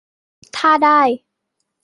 - ถ้าได้